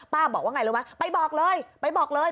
ป้าบอกว่าอย่างไรรู้ไหมไปบอกเลยไปบอกเลย